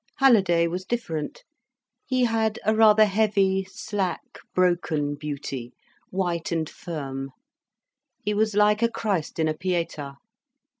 Halliday was different. He had a rather heavy, slack, broken beauty, white and firm. He was like a Christ in a Pietà.